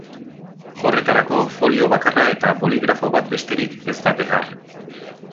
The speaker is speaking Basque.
Horretarako folio bakarra eta boligrafo bat besterik ez da behar.